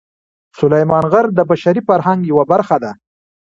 سلیمان غر د بشري فرهنګ یوه برخه ده.